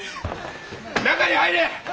中に入れ！